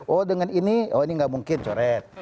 oh dengan ini oh ini nggak mungkin coret